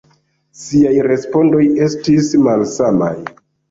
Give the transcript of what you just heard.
Siaj respondoj estis malsamaj.